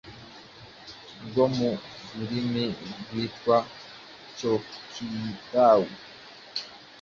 ryo mu rurimi rwitwa Chocktaw,